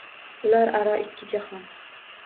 Ular aro ikki jahon